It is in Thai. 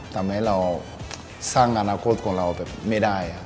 ทำให้เราสร้างอนาคตของเราแบบไม่ได้